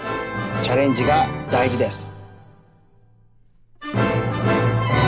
チャレンジがだいじです。